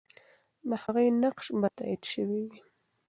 د هغې نقش به تایید سوی وي.